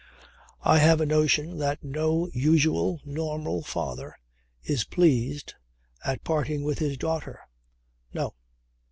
I have a notion that no usual, normal father is pleased at parting with his daughter. No.